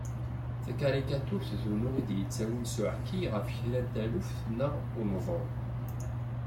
Takarikaturt d unuɣ i d-yettawin s uɛekki ɣef kra n taluft neɣ uneḍru.